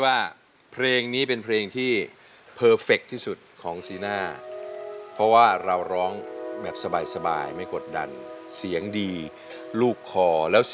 หากพามาได้แต่อย่าให้สวยกัน